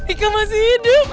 ika masih hidup